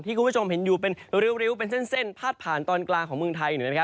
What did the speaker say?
คุณผู้ชมเห็นอยู่เป็นริ้วเป็นเส้นพาดผ่านตอนกลางของเมืองไทย